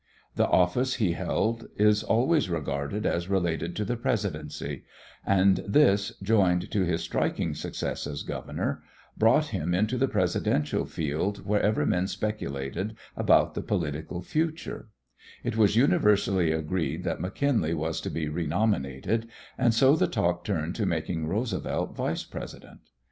The office he held is always regarded as related to the Presidency, and this, joined to his striking success as governor, brought him into the presidential field wherever men speculated about the political future It was universally agreed that McKinley was to be renominated, and so the talk turned to making Roosevelt Vice President.